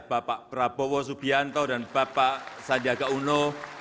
bapak prabowo subianto dan bapak sandiaga uno